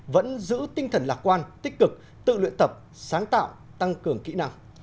vẫn giữ tinh thần lạc quan tích cực tự luyện tập sáng tạo tăng cường kỹ năng